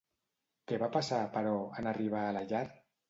Què va passar, però, en arribar a la llar?